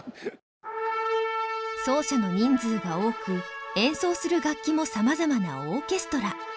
奏者の人数が多く演奏する楽器もさまざまなオーケストラ。